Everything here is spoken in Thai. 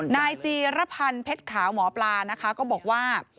นายจีรพันธ์เพชรขาวหมอปลานะคะก็บอกว่า